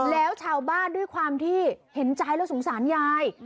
แล้วชาวบ้านด้วยความที่เห็นใจแล้วสงสารยาย